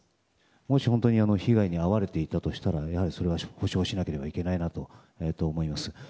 もし本当に被害に遭われていたとしたらやはりそれは補償しなければいけないなと思います。